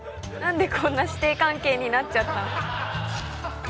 なんでこんな師弟関係になっちゃった？